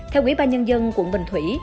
theo quỹ ba nhân dân quận bình thủy